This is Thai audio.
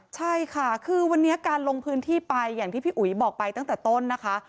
ใช่ค่ะคือวันนี้การลงพื้นที่ไปอย่างที่พี่อุ๋ยบอกไปตั้งแต่ต้นนะคะ